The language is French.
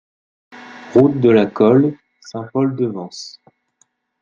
Route de la Colle, Saint-Paul-de-Vence